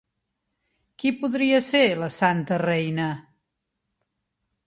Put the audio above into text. Qui podria ser la santa reina?